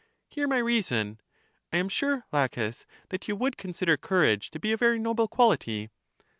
Hear my reason: I am sure. Laches, that you would consider courage to be a very noble quality.